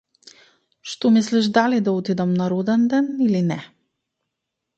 Што мислиш дали да отидам на роденден или не?